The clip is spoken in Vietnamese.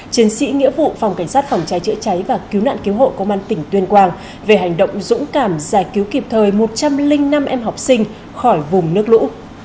chiến sĩ nghĩa vụ phòng cảnh sát phòng cháy chữa cháy và cứu nạn cứu hộ công an tỉnh tuyên quang về hành động dũng cảm giải cứu kịp thời một trăm linh năm em học sinh khỏi vùng nước lũ